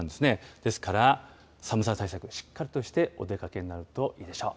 ですから、寒さ対策、しっかりとしてお出かけになるといいでしょう。